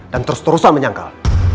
dan terus terusan menyangkal